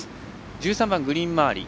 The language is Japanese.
１３番グリーン周り